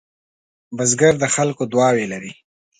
بزګر د خلکو دعاوې لري